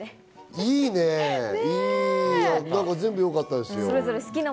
いいね、全部よかったよ。